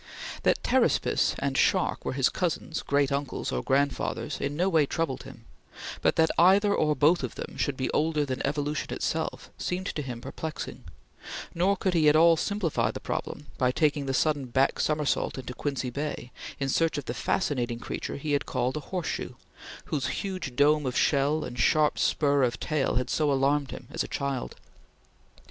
That Pteraspis and shark were his cousins, great uncles, or grandfathers, in no way troubled him, but that either or both of them should be older than evolution itself seemed to him perplexing; nor could he at all simplify the problem by taking the sudden back somersault into Quincy Bay in search of the fascinating creature he had called a horseshoe, whose huge dome of shell and sharp spur of tail had so alarmed him as a child.